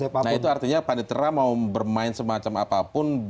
nah itu artinya panitera mau bermain semacam apapun